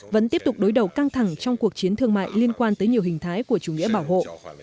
vẫn tiếp tục đối đầu căng thẳng trong cuộc chiến thương mại liên quan tới nhiều hình thái của chủ nghĩa bảo hộ